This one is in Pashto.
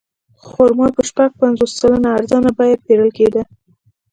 خرما په شپږ پنځوس سلنه ارزانه بیه پېرل کېده.